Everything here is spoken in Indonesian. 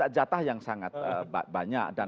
jatah yang sangat banyak